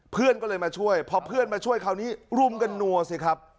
เพื่อนก็เลยมาช่วยพอเพื่อนมาช่วยคราวนี้รุมกันนัวสิครับ